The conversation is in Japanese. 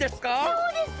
そうです。